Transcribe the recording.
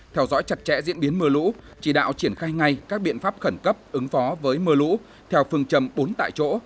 theo dõi chặt chẽ diễn biến mưa lũ chỉ đạo triển khai ngay các biện pháp khẩn cấp ứng phó với mưa lũ theo phương châm bốn tại chỗ